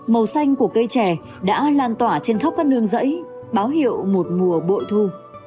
màu xanh của cây trẻ đã lan tỏa trên khắp các nương rẫy báo hiệu một mùa bội thu